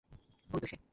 ঐ তো সে।